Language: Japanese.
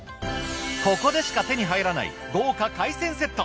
ここでしか手に入らない豪華海鮮セット。